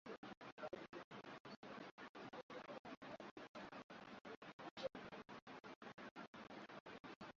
au Tomaso aliyefika mpaka Bara Hindi Kaburi lake huonyeshwa katika